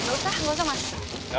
patokan sakit kulit memengaruhi teq mitjig